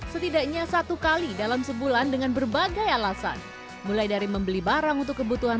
setidaknya satu kali dalam sebulan dengan berbagai alasan mulai dari membeli barang untuk kebutuhan